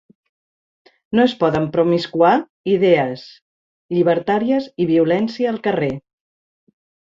No es poden promiscuar idees llibertàries i violència al carrer.